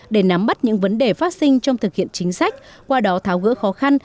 để nắm bắt những vấn đề phát sinh trong thực hiện chính sách qua đó tháo gỡ khó khăn